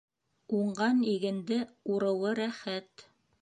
Уңған игенде урыуы рәхәт.